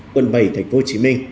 quận bảy tp hcm